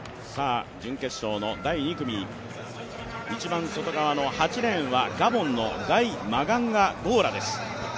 準決勝の第２組、一番外側の８レーンはガボンのガイ・マガンガ・ゴーラです。